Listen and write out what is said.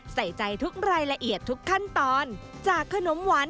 ใส่ใจทุกรายละเอียดทุกขั้นตอนจากขนมหวาน